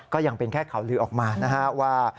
ก็ยังเป็นแค่ข่าวลือออกมานะฮะว่า